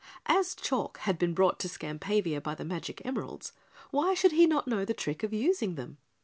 As Chalk had been brought to Skampavia by the magic emeralds, why should he not know the trick of using them?